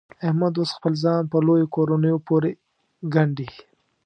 احمد اوس خپل ځان په لویو کورنیو پورې ګنډي.